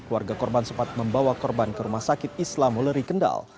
keluarga korban sempat membawa korban ke rumah sakit islam wuleri kendal